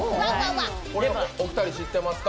これ、お二人は知ってますか？